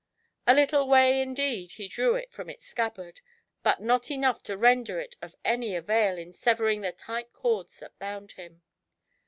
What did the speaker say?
A little way, indeed, he drew it from its scabbard, but not enough to render it of any avail in severing the tight cords that bound him.